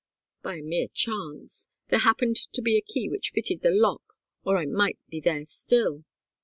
"By a mere chance. There happened to be a key which fitted the lock, or I might be there still."